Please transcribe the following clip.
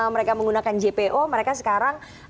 mereka menggunakan jpo mereka sekarang